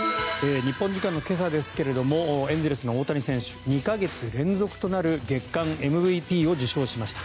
日本時間の今朝ですがエンゼルスの大谷選手２か月連続となる月間ＭＶＰを受賞しました。